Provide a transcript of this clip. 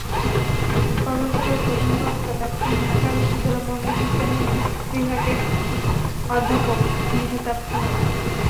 কর্মশালার প্রধান বক্তা থাকবেন ঢাকা বিশ্ববিদ্যালয়ের মনোবিজ্ঞান বিভাগের অধ্যাপক মেহতাব খানম।